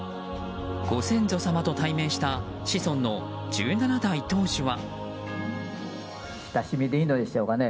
ご先祖様と対面した子孫の１７代当主は。